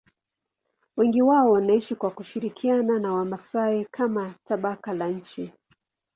Wengi wao wanaishi kwa kushirikiana na Wamasai kama tabaka la chini.